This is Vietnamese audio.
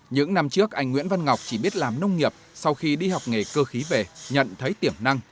những năm trước anh nguyễn văn ngọc chỉ biết làm nông nghiệp sau khi đi học nghề cơ khí về nhận thấy tiềm năng